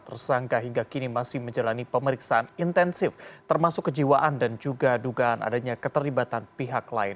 tersangka hingga kini masih menjalani pemeriksaan intensif termasuk kejiwaan dan juga dugaan adanya keterlibatan pihak lain